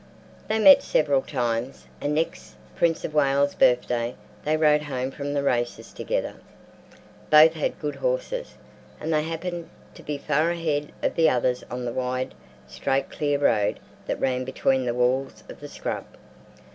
They met several times, and next Prince of Wales's birthday they rode home from the races together. Both had good horses, and they happened to be far ahead of the others on the wide, straight clear road that ran between the walls of the scrub.